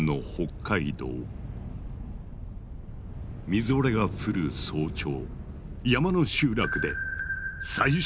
みぞれが降る早朝。